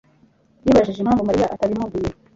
yibajije impamvu Mariya atabimubwiye.